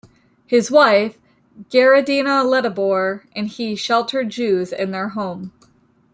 His wife, Gerritdina Letteboer, and he sheltered Jews in their home.